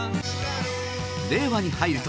令和に入ると